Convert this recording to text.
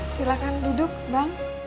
silahkan duduk bang